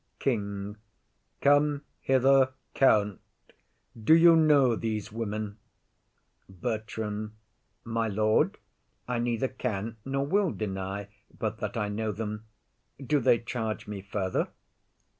KING. Come hither, count; do you know these women? BERTRAM. My lord, I neither can nor will deny But that I know them. Do they charge me further?